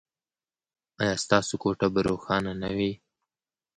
ایا ستاسو کوټه به روښانه نه وي؟